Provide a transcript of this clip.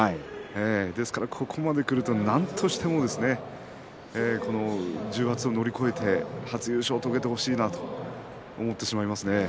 ですから、ここまでくるとなんとしても重圧をはねのけて初優勝を遂げてほしいなと思ってしまいますね。